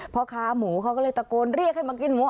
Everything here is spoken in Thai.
พ่อค้าหมูเขาก็เลยตะโกนเรียกให้มากินหมู